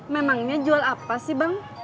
memangnya jual apa sih bang